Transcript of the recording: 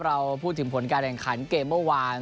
เราพูดถึงผลการแข่งขันเกมเมื่อวาน